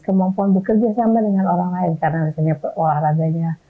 kemampuan bekerja sama dengan orang lain karena misalnya olahraganya